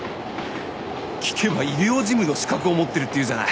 聞けば医療事務の資格を持ってるっていうじゃない。